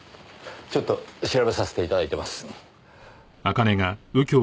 ちょっと調べさせて頂いてます。